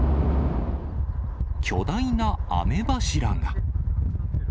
巨大な雨柱が。